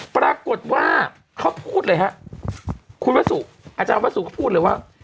ปรากฏว่าเขาพูดเลยฮะคุณวสุอาจารย์วัสสุก็พูดเลยว่า